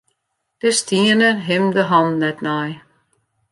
Dêr stienen him de hannen net nei.